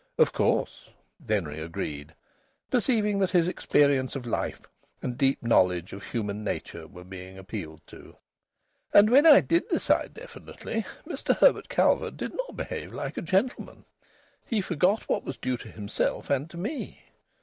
"Of course," Denry agreed, perceiving that his experience of life, and deep knowledge of human nature were being appealed to. "And when I did decide definitely, Mr Herbert Calvert did not behave like a gentleman. He forgot what was due to himself and to me.